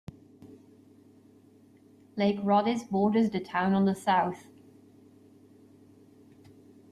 Lake Rhodhiss borders the town on the south.